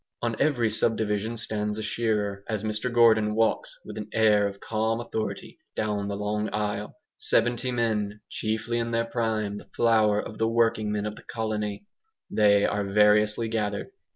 On every subdivision stands a shearer, as Mr Gordon walks, with an air of calm authority, down the long aisle. Seventy men, chiefly in their prime, the flower of the working men of the colony, they are variously gathered.